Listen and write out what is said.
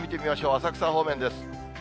浅草方面です。